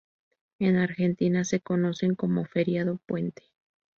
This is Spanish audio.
En Argentina se conocen como "feriado puente".